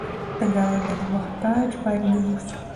د ګاونډیانو محتاج باید نه اوسو.